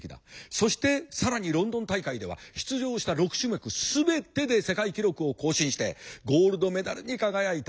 そして更にロンドン大会では出場した６種目全てで世界記録を更新してゴールドメダルに輝いた。